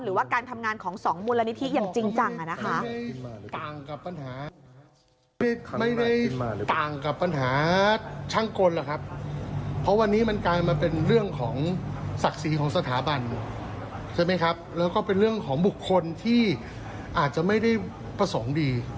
หรือว่าการทำงานของสองมูลนิธิอย่างจริงจังนะคะ